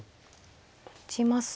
打ちますと。